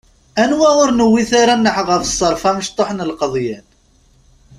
Anwa ur newwit ara nneḥ ɣef ṣṣerf amecṭuḥ n lqeḍyan!